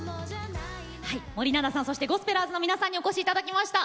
森七菜さんそしてゴスペラーズの皆さんにお越しいただきました。